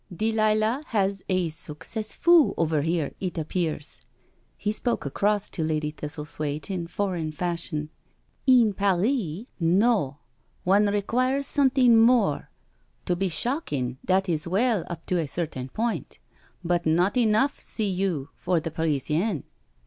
" Delilah has a ' succes fott ' over here, it appears," he spoke across to Lady Thistlethwaite in foreign fashion. *' In Paris, no — one requires something more. To be shockin*, that is well, up to a certain point— but not enough, see you, for the Parisian."